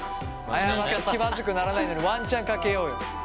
謝って気まずくならないのにワンチャンかけようよ。